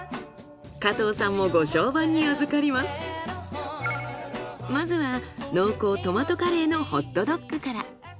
加藤さんもまずは濃厚トマトカレーのホットドッグから。